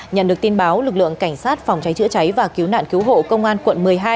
nhận được tin báo lực lượng cảnh sát phòng cháy chữa cháy và cứu nạn cứu hộ công an quận một mươi hai